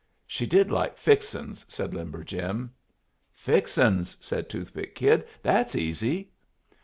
"She did like fixin's," said Limber Jim. "Fixin's!" said Toothpick Kid. "That's easy."